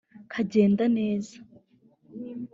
kagenda neza